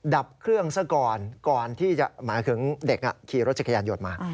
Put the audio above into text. ดับเครื่องซะก่อนก่อนที่จะหมายถึงเด็กขี่รถจักรยานยนต์มา